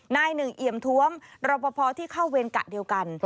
นายหนึ่งเอี่ยมท้วมรอปภที่เข้าเวรกะเดียวกัน